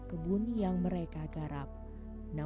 bana mungkin dayanya itu tidak perbuka